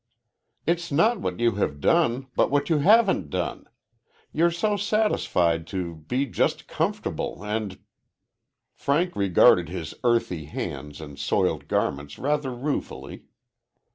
"It's not what you have done, but what you haven't done. You're so satisfied to be just comfortable, and " Frank regarded his earthy hands and soiled garments rather ruefully.